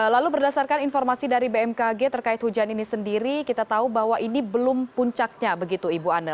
lalu berdasarkan informasi dari bmkg terkait hujan ini sendiri kita tahu bahwa ini belum puncaknya begitu ibu anne